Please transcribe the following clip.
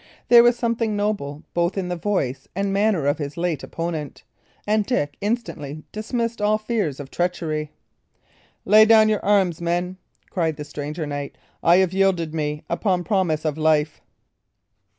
There was something noble both in the voice and manner of his late opponent, and Dick instantly dismissed all fears of treachery. "Lay down your arms, men!" cried the stranger knight. "I have yielded me, upon promise of life."